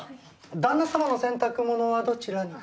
旦那様の洗濯物はどちらに？